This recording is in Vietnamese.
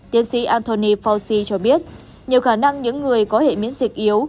tiến sĩ anthony fauci cho biết nhiều khả năng những người có hệ miễn dịch yếu